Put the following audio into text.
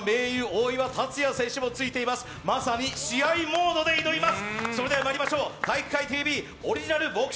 まさに試合モードで挑みます。